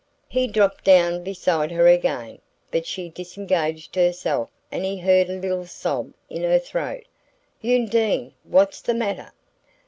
He dropped down beside her again; but she disengaged herself and he heard a little sob in her throat. "Undine what's the matter?"